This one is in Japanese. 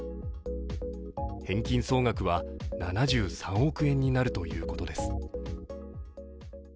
返金総額は７３億円になるということです。